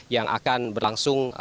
yang akan berlangsung